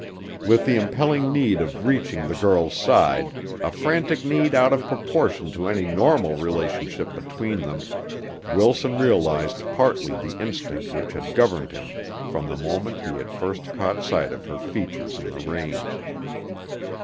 With the impelling need of reaching the girl's side a frantic need out of proportion to any normal relationship between them Wilson realized partly the instinct which had governed him from the moment he had first caught sight of her features in the rain.